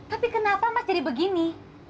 tapi kenapa mas jadi begini